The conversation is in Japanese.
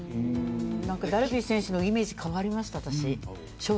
ダルビッシュ選手のイメージが変わりました。